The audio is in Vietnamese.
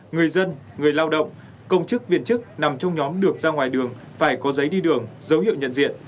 người dân người lao động công chức viên chức nằm trong nhóm được ra ngoài đường phải có giấy đi đường dấu hiệu nhận diện